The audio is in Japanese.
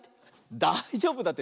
だいじょうぶだって。